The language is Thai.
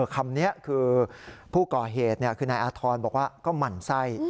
คำนี้คือผู้ก่อเหตุคือนายอาธรณ์บอกว่าก็หมั่นไส้